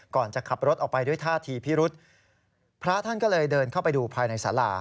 ก่อนจะขับรถออกไปด้วยท่าทีพิรุษพระท่านก็เลยเดินเข้าไปดูภายในสารา